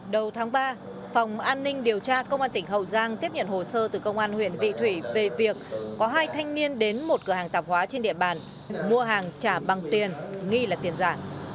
đầu tháng ba phòng an ninh điều tra công an tỉnh hậu giang tiếp nhận hồ sơ từ công an huyện vị thủy về việc có hai thanh niên đến một cửa hàng tạp hóa trên địa bàn mua hàng trả bằng tiền nghi là tiền giả